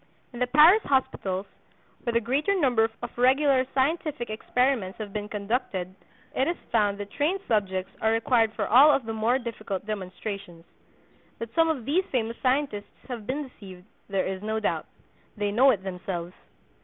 In the Paris hospitals, where the greater number of regular scientific experiments have been conducted, it is found that "trained subjects" are required for all of the more difficult demonstrations. That some of these famous scientists have been deceived, there is no doubt. They know it themselves.